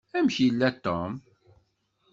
Amek yella Tom?